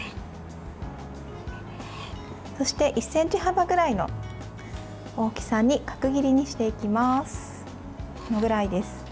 そして１ｃｍ幅ぐらいの大きさに角切りにしていきます。